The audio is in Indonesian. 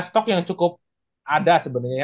stok yang cukup ada sebenernya